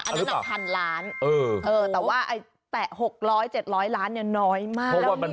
อันนั้นพันล้านแต่ว่าแตะ๖๐๐๗๐๐ล้านน้อยมาก